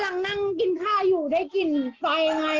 กำลังนั่งกินข้าวอยู่ได้กลิ่นไฟไง